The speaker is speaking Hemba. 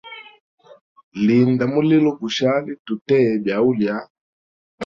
Linda mulilo gushali tuteye byaulya.